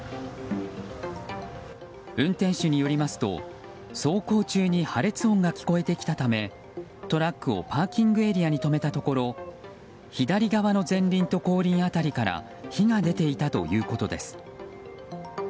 運転手によりますと走行中に破裂音が聞こえてきたためトラックをパーキングエリアに止めたところ左側の前輪と後輪辺りから火が出ていたということです。